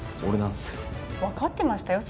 わかってましたよ